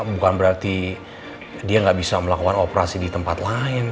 bukan berarti dia nggak bisa melakukan operasi di tempat lain